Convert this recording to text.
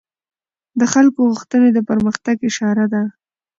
د خلکو غوښتنې د پرمختګ اشاره ده